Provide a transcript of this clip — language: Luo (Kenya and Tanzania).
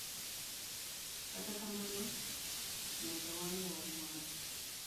Kata kamano nyaka wang'i wach mar